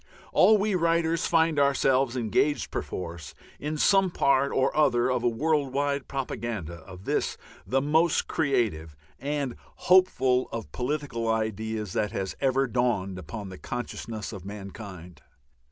All we writers find ourselves engaged perforce in some part or other of a world wide propaganda of this the most creative and hopeful of political ideas that has ever dawned upon the consciousness of mankind.